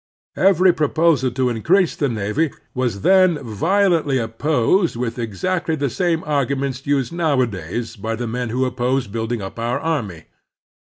Every proposal to in crease the navy was then violently opposed with exactly the same argtmients used nowadays by the men who oppose building up our army.